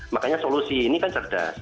makanya solusi ini kan cerdas